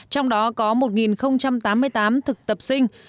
trong đó có một tám mươi tám thực tập sinh